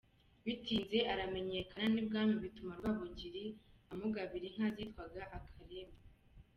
Bitinze aramenyekana n’ibwami, bituma Rwabugili amugabira inka zitwaga Akarema.